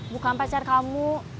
bukan pacar kamu